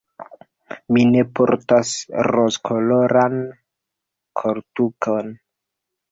Mi ne portas rozkoloran koltukon.